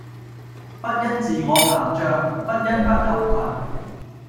不因自我膨漲，不因不合群